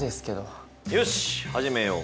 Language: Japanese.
よし始めよう！